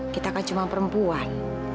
kita kan cuma perempuan